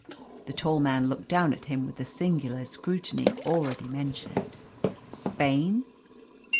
The tall man looked down at him with the singular scrutiny already mentioned. "Spain?"